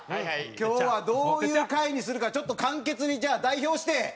今日はどういう回にするかちょっと簡潔にじゃあ代表して。